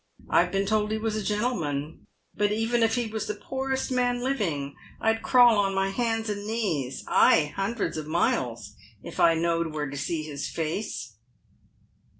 I have been told he was a gentleman, but even if he was the poorest man living, I'd crawl on my hands and knees — ay, hundreds of miles — if I knowed wbere to see bis face."